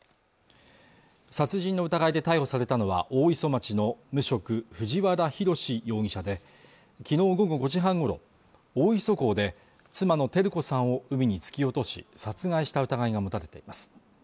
殺人の疑いで逮捕されたのは大磯町の無職藤原宏容疑者で昨日午後５時半ごろ大磯港で妻の照子さんを海に突き落とし殺害した疑いが持たれています